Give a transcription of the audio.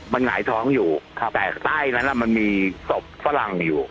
มันหงายท้องอยู่แต่ใต้นั้นมันมีศพฝรั่งอยู่